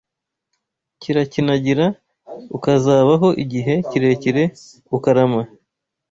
kirakinagira ukazabaho igihe kirekire, ukarama